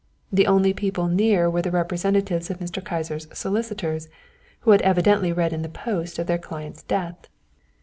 The only people near were the representatives of Mr. Kyser's solicitors, who had evidently read in the Post of their client's death.